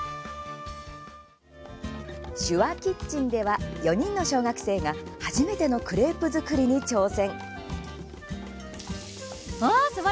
「手話キッチン」では４人の小学生が初めてのクレープ作りに挑戦。